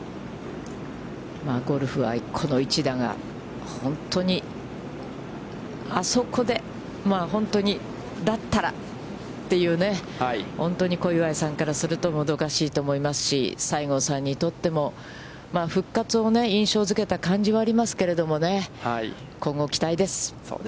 ゴルフはこの１打が、あそこで、本当にだったらっていうね、本当に小祝さんからすると、もどかしいと思いますし、西郷さんにとっても、復活を印象づけた感じはありますけどね、今後、期待です。